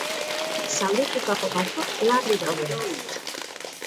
Zauritutako batzuk larri daude.